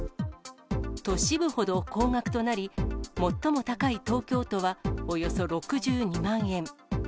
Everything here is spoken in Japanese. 都市部ほど高額となり、最も高い東京都は、およそ６２万円。